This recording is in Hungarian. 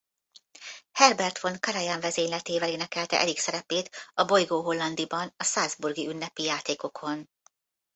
Herbert von Karajan vezényletével énekelte Erik szerepét A bolygó hollandiban a Salzburgi Ünnepi Játékokon.